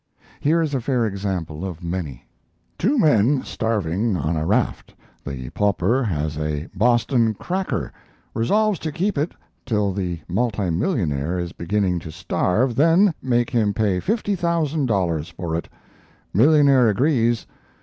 Here is a fair example of many: Two men starving on a raft. The pauper has a Boston cracker, resolves to keep it till the multimillionaire is beginning to starve, then make him pay $50,000 for it. Millionaire agrees.